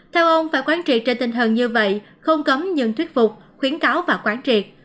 theo ông phải quán trị trên tinh thần như vậy không cấm nhưng thuyết phục khuyến cáo và quán triệt